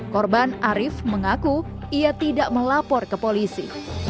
korban arief mengaku ia tidak melapor ke polisi